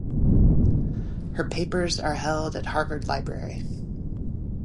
Her papers are held at Harvard Library.